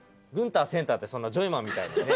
グンターセンターってそんなジョイマンみたいに。